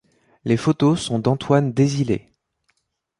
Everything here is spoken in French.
Les photos sont d'Antoine Désilets.